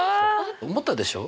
思ったでしょ？